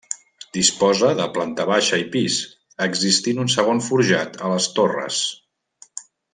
Disposa de planta baixa i pis, existint un segon forjat a les torres.